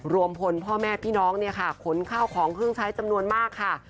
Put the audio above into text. รวมพลพ่อแม่พี่น้องเนี่ยค่ะขนข้าวของเครื่องใช้จำนวนมากค่ะ